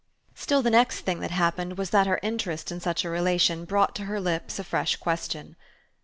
Still the next thing that happened was that her interest in such a relation brought to her lips a fresh question.